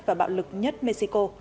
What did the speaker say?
và lực nhất mexico